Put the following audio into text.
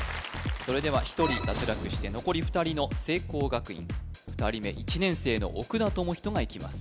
それでは１人脱落して残り２人の聖光学院２人目１年生の奥田智仁がいきます